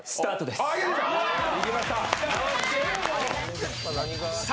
ああ、いきました！